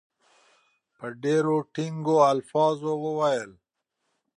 په ډېرو ټینګو الفاظو وویل.